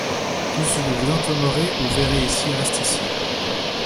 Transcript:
tout ce que vous entendrez ou verrez ici reste ici.